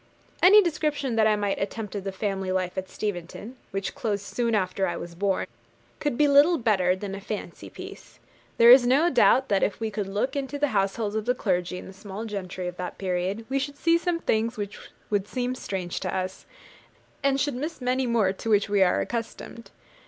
Any description that I might attempt of the family life at Steventon, which closed soon after I was born, could be little better than a fancy piece. There is no doubt that if we could look into the households of the clergy and the small gentry of that period, we should see some things which would seem strange to us, and should miss many more to which we are accustomed.